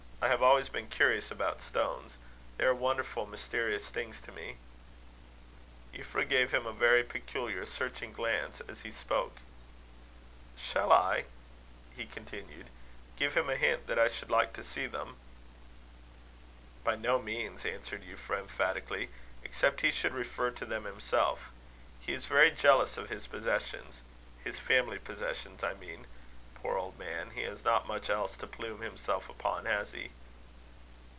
I have always been curious about stones. They are wonderful, mysterious things to me." Euphra gave him a very peculiar, searching glance, as he spoke. "Shall I," he continued, "give him a hint that I should like to see them?" "By no means," answered Euphra, emphatically, "except he should refer to them himself. He is very jealous of his possessions his family possessions, I mean. Poor old man! he has not much else to plume himself upon; has he?"